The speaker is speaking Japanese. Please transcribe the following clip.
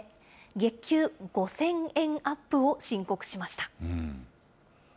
月給５０００円アップを申告しました。